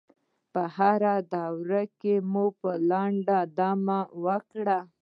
په هره دوره کې به مو لنډه دمه وکړه.